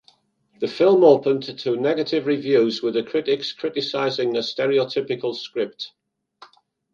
The film opened to negative reviews with the critics criticising the stereotypical script.